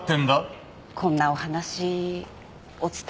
こんなお話お伝え